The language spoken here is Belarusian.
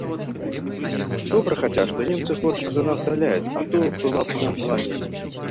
Добра хаця, што немцы горш за нас страляюць, а то была б нам лазня.